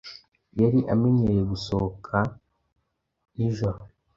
Yari amenyereye gusohoka nijoro.